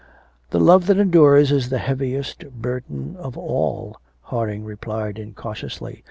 'The love that endures is the heaviest burden of all,' Harding replied incautiously.